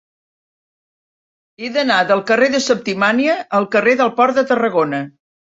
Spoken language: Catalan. He d'anar del carrer de Septimània al carrer del Port de Tarragona.